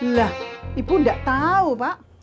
lah ibu gak tau pak